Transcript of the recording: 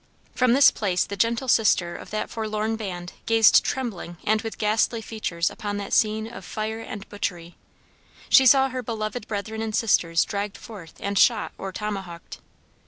From this place the gentle sister of that forlorn band gazed trembling and with ghastly features upon that scene of fire and butchery. She saw her beloved brethren and sisters dragged forth and shot or tomahawked.